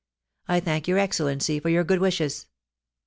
I thank your Excellency for your good wishes.'